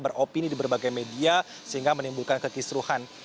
beropini di berbagai media sehingga menimbulkan kekisruhan